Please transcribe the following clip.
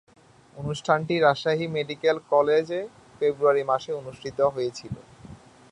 অনুষ্ঠানটি রাজশাহী মেডিকেল কলেজে ফেব্রুয়ারি মাসে অনুষ্ঠিত হয়েছিলো।